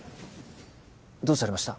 どうされました？